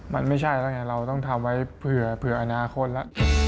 มันไม่ใช่แล้วไงเราต้องทำไว้เผื่ออนาคตแล้ว